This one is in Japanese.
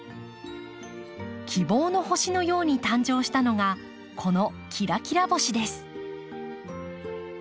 希望の星のように誕生したのがこのきらきら星です。